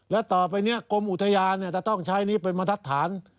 แล้วต่อไปเนี่ยกรมอุทยาเนี่ยจะต้องใช้นี้เป็นมันทัศน